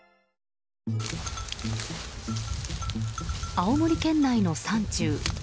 青森県内の山中。